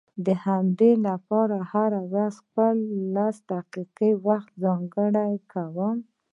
د همدې لپاره هره ورځ خپل لس دقيقې وخت ځانګړی کوم.